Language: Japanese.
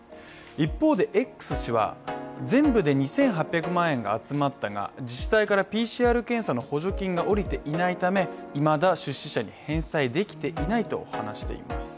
一方でＸ氏は、全部で２８００万円が集まったが、自治体からＰＣＲ検査の補助金が下りていないため、いまだ出資者に返済できていないと話しています。